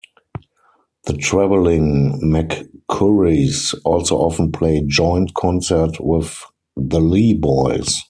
The Travelin' McCourys also often play joint concerts with The Lee Boys.